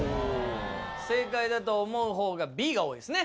正解だと思う方がＢが多いですね。